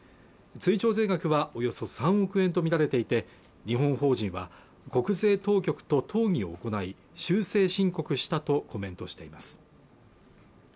追徴税額はおよそ３億円とみられていて日本法人は国税当局と討議を行い修正申告したとコメントしています